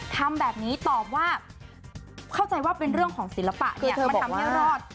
ทำแบบนี้ตอบว่าเข้าใจว่าเป็นเรื่องของศิลปะเนี่ยมันทำให้รอด